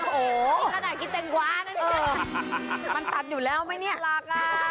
โอ้โหมันตัดอยู่แล้วไหมเนี่ย